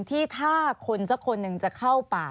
ที่ถ้าคนสักคนหนึ่งจะเข้าป่า